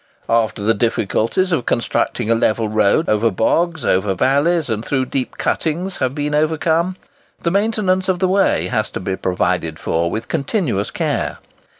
After the difficulties of constructing a level road over bogs, across valleys, and through deep cuttings, have been overcome, the maintenance of the way has to be provided for with continuous care.